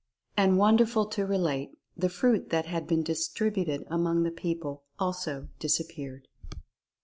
And, wonderful to re late, the fruit that had been distributed among the people also disappeared.